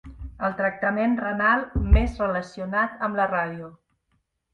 El tractament renal més relacionat amb la ràdio.